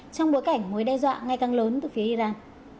trong bối cảnh mối đe dọa ngay càng lớn từ phía iran